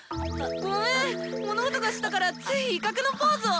ごめん物音がしたからつい威嚇のポーズを！